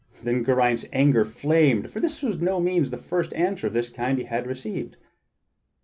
Then Geraint's anger flamed, for this was by no means the first answer of the kind which he had received.